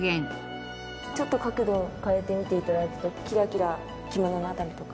ちょっと角度を変えて見て頂くとキラキラ着物の辺りとか。